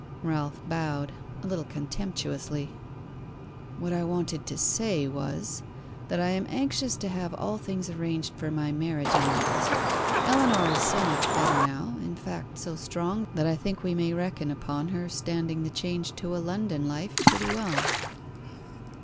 Ralph bowed, a little contemptuously. "What I wanted to say was, that I am anxious to have all things arranged for my marriage in August. Ellinor is so much better now; in fact, so strong, that I think we may reckon upon her standing the change to a London life pretty well."